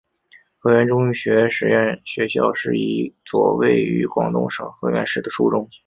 河源中学实验学校是一所位于广东省河源市的初中。